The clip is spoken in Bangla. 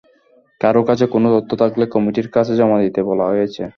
কারও কাছে কোনো তথ্য থাকলে কমিটির কাছে জমা দিতে বলা হয়েছে।